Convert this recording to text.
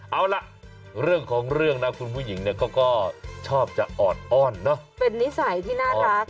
เอาล่ะเรื่องของเรื่องนะคุณผู้หญิงเนี่ยเขาก็ชอบจะออดอ้อนเนอะเป็นนิสัยที่น่ารัก